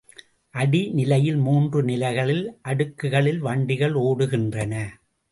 அடி நிலையில் மூன்று நிலைகளில் அடுக்குகளில் வண்டிகள் ஓடுகின்றன.